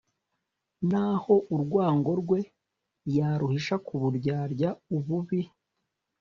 naho urwango rwe yaruhisha ku buryarya ububi